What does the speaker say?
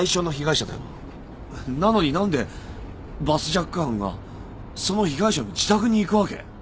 なのに何でバスジャック犯がその被害者の自宅に行くわけ？